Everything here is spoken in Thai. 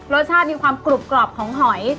รสชาติมีความกรุบกรอบของหอย